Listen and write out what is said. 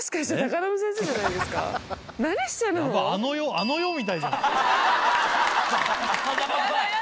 あの世みたいじゃん。